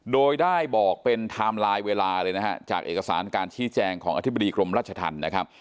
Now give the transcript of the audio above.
โดยได้บอกเป็นไทม์ไลน์เวลาเลยนะฮะจากเอกสารการชี้แจงของอธิบดีกรมราชธรรมนะครับ